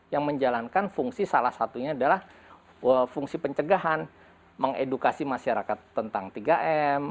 yang menjalankan fungsi salah satunya adalah fungsi pencegahan mengedukasi masyarakat tentang tiga m